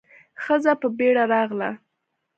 ښځه په بيړه راغله.